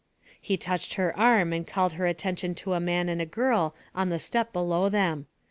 He touched her arm and called her attention to a man and a girl on the step below them.